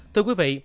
thưa quý vị